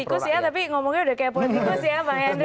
bukan politikus ya tapi ngomongnya udah kayak politikus ya pak henry ya